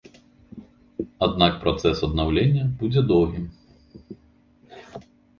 Аднак працэс аднаўлення будзе доўгім.